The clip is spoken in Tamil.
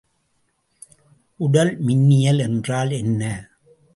உடல்மின்னியல் என்றால் என்ன?